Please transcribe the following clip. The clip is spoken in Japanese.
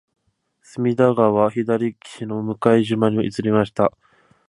隅田川左岸の向島に移りました